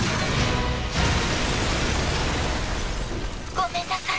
ごめんなさい。